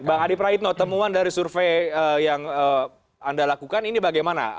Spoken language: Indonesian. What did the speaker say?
bang adi praitno temuan dari survei yang anda lakukan ini bagaimana